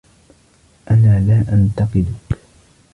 أنا لا أنتقدك.